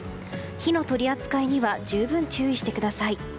火の取り扱いには十分注意してください。